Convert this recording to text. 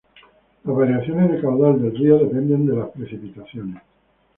Las variaciones de caudal del río dependen de las precipitaciones.